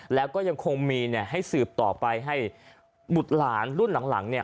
แล้วก็ยังคงมีให้สืบต่อไปให้บุตรหลานรุ่นหลังเนี่ย